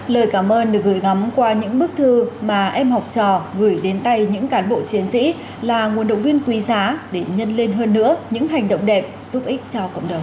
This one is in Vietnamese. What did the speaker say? lời cảm ơn được gửi gắm qua những bức thư mà em học trò gửi đến tay những cán bộ chiến sĩ là nguồn động viên quý giá để nhân lên hơn nữa những hành động đẹp giúp ích cho cộng đồng